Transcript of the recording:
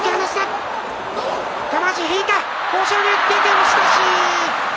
押し出し。